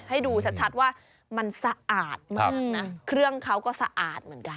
ให้ดูชัดว่ามันสะอาดมากนะเครื่องเขาก็สะอาดเหมือนกัน